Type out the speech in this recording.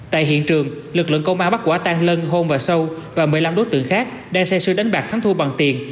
tại hiện trường lực lượng công an bắt quả tang lân hôn và sâu và một mươi năm đối tượng khác đang say sư đánh bạc thắng thua bằng tiền